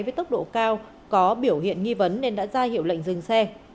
với tốc độ cao có biểu hiện nghi vấn nên đã ra hiệu lệnh dừng xe